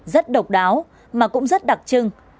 rất độc đáo mà cũng rất đặc trưng